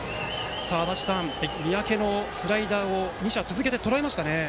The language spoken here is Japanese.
足達さん、三宅のスライダーを２者続けてとらえましたね。